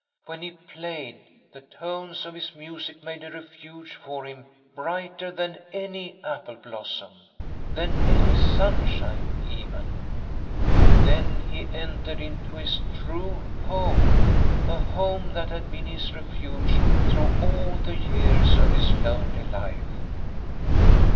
When he played, the tones of his music made a refuge for him brighter than any apple blossom, than any sunshine even. Then he entered into his true home, a home that had been his refuge through all the years of his lonely life.